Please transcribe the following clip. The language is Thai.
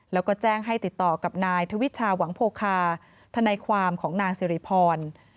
แล้วก็แจ้งให้ติดต่อกับนายทวิชาหวังโพคาทนายความของนางสิริพร